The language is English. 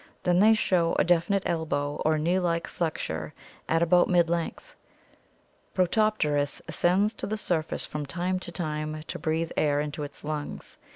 Then they show a definite elbow or knee like flexure at about mid length. Protopterus (Fig. 140) ascends to the surface from time to time to breathe air into its lungs.